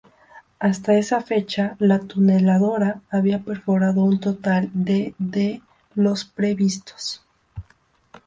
Hasta esa fecha, la tuneladora había perforado un total de de los previstos.